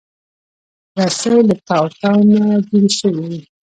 رسۍ له تاو تاو نه جوړه شوې وي.